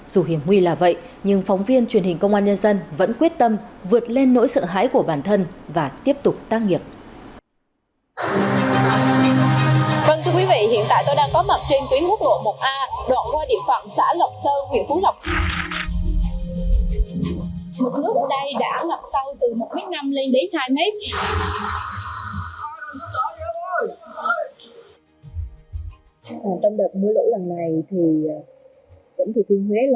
dù hiểm nguy là vậy nhưng phóng viên truyền hình công an nhân dân vẫn quyết tâm vượt lên nỗi sợ hãi của bản thân và tiếp tục tác nghiệp